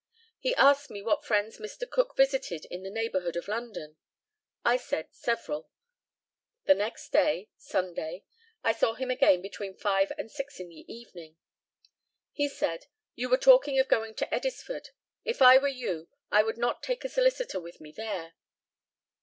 He asked me what friends Mr. Cook visited in the neighbourhood of London. I said, "Several." The next day (Sunday) I saw him again, between five and six in the evening. He said, "You were talking of going to Eddisford. If I were you, I would not take a solicitor with me there."